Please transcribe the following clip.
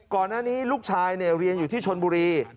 ก่อนหน้านี้ลูกชายเรียนอยู่ที่ชนบุรี